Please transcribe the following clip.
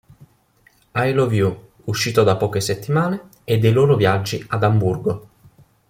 I Love You", uscito da poche settimane, e dei loro viaggi ad Amburgo.